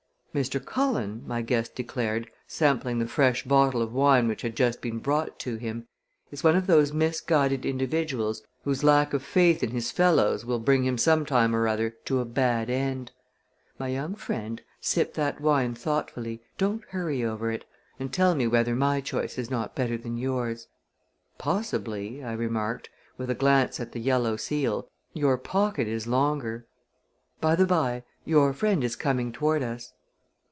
"Mr. Cullen," my guest declared, sampling the fresh bottle of wine which had just been brought to him, "is one of those misguided individuals whose lack of faith in his fellows will bring him some time or other to a bad end. My young friend, sip that wine thoughtfully don't hurry over it and tell me whether my choice is not better than yours?" "Possibly," I remarked, with a glance at the yellow seal, "your pocket is longer. By the by, your friend is coming toward us."